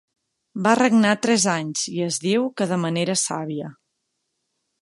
Va regnar tres anys i es diu que de manera sàvia.